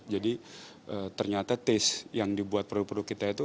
jadi ternyata taste yang dibuat produk produk kita itu